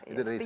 itu dari susu